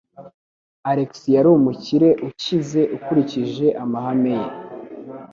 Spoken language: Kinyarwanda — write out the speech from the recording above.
Alex yari umukire - ukize ukurikije amahame ye.